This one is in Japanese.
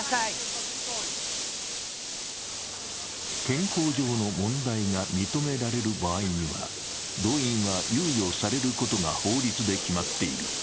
健康上の問題が認められる場合には動員は猶予されることが法律で決まっている。